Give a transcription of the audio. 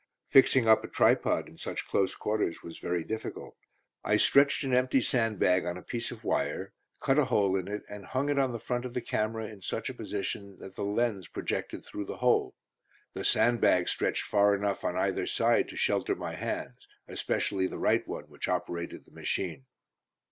Fixing up a tripod in such close quarters was very difficult. I stretched an empty sandbag on a piece of wire, cut a hole in it and hung it on the front of the camera in such a position that the lens projected through the hole. The sandbag stretched far enough on either side to shelter my hands, especially the right one, which operated the machine.